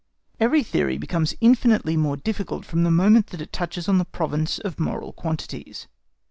Every theory becomes infinitely more difficult from the moment that it touches on the province of moral quantities.